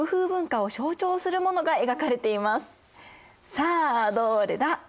さあどれだ？